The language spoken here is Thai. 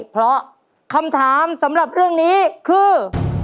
เพราะคำถามสำหรับเรื่องนี้คือ